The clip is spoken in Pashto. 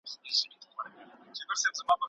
د محصلینو لیلیه له مشورې پرته نه اعلانیږي.